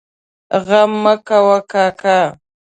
غم مه کوه کاکا!